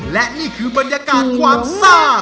และนี่คือบรรยากาศความซ่า